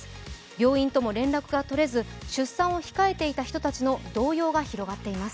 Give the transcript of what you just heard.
病院とも連絡がとれず、出産を控えていた人たちの動揺が広がっています。